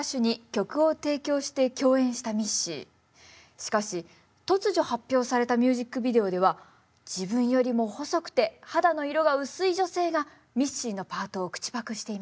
しかし突如発表されたミュージックビデオでは自分よりも細くて肌の色が薄い女性がミッシーのパートを口パクしていました。